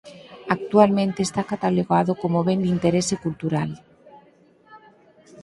Actualmente está catalogado como Ben de Interese Cultural.